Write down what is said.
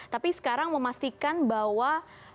tapi sekarang memastikan bahwa